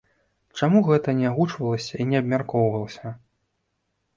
Чаму гэта не агучвалася і не абмяркоўвалася?